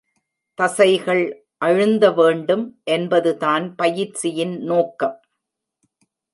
தசைகள் அழுந்த வேண்டும் என்பது தான் பயிற்சியின் நோக்கம்.